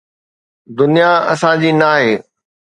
دنيا اسان جي ناهي.